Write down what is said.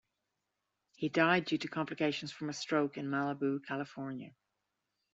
He died due to complications from a stroke in Malibu, California.